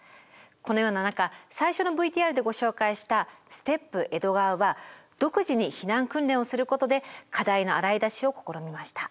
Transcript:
このような中最初のＶＴＲでご紹介した「ＳＴＥＰえどがわ」は独自に避難訓練をすることで課題の洗い出しを試みました。